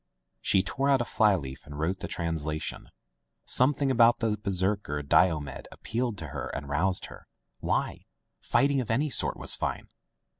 She tore out a fly leaf and wrote the trans lation. Something about the Berserker Dio med appealed to her and roused her. Why! Fighting of any sort was fine!